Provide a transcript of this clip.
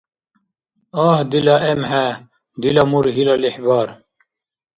Агь, дила эмхӀе! Дила мургьила лихӀбар!